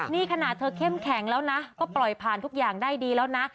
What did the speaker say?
นี่ขนาดเธอเข้มแข็งแล้วนะก็ปล่อยผ่านทุกอย่างได้ดีแล้วนะ